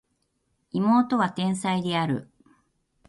妹は天才である